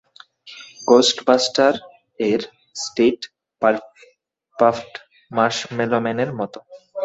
Ghostbuster এর Stay Puft মার্শমেলোম্যানের মতো।